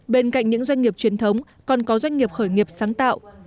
bên cạnh những doanh nghiệp truyền thống còn có doanh nghiệp khởi nghiệp sáng tạo